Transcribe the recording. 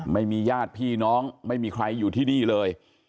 ไม่มีญาติพี่น้องไม่มีใครอยู่ที่นี่เลย